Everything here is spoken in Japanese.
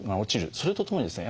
それとともにですね